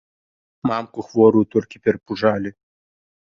Мамку хворую толькі перапужалі.